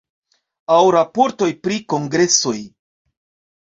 Aŭ raportoj pri kongresoj.